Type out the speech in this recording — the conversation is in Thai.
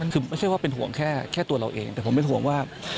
คือไม่ใช่ว่าเป็นห่วงแค่ตัวเราเองแต่ผมเป็นห่วงว่า